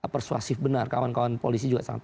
persuasif benar kawan kawan polisi juga sangat